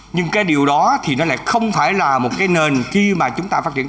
nhưng cái điều đó thì nó lại không phải là một cái nền khi mà chúng ta phát triển